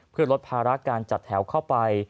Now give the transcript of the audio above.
เพื่อลดภาระการจัดแถวเข้าไป